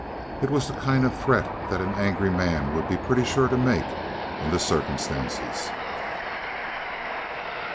It was the kind of threat that an angry man would be pretty sure to make in the circumstances.